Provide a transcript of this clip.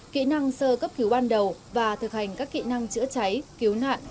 kỹ năng sơ cấp cứu ban đầu và thực hành các kỹ năng chữa cháy cứu nạn